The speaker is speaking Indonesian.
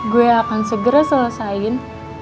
gue akan segera selesain